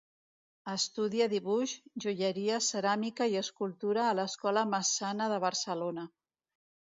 Estudia dibuix, joieria, ceràmica i escultura a l'Escola Massana de Barcelona.